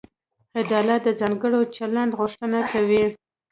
عدالت د ځانګړي چلند غوښتنه کوي.